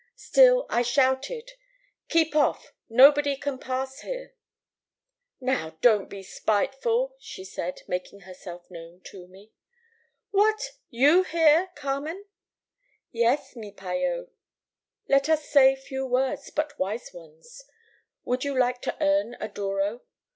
Still I shouted: "'Keep off! Nobody can pass here!' "'Now, don't be spiteful,' she said, making herself known to me. "'What! you here, Carmen?' "'Yes, mi payllo. Let us say few words, but wise ones. Would you like to earn a douro?